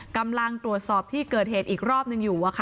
กำลังตรวจสอบที่เกิดเหตุอีกรอบหนึ่งอยู่